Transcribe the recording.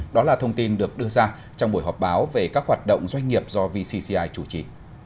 đó là thông tin được đưa ra trong buổi họp báo về các hoạt động doanh nghiệp do vcci chủ trì